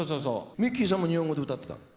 ミッキーさんも日本語で歌ってたの？